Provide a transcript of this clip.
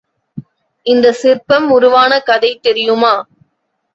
இந்த சிற்பம் உருவான கதை தெரியுமா?